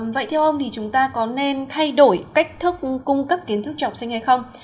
vậy theo ông thì chúng ta có nên thay đổi cách thức cung cấp kiến thức cho học sinh hay không